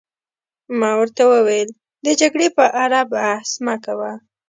ما ورته وویل: د جګړې په اړه بحث مه کوه.